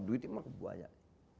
duit itu mah kebanyak